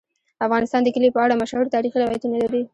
افغانستان د کلي په اړه مشهور تاریخی روایتونه لري.